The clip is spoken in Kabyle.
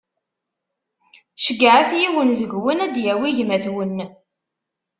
Ceggɛet yiwen deg-wen ad d-yawi gma-twen;